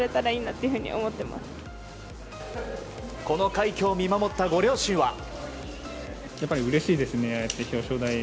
この快挙を見守ったご両親は。